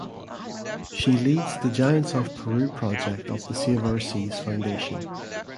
She leads the "Giants of Peru" project of the Save Our Seas Foundation.